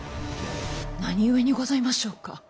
何故にございましょうか。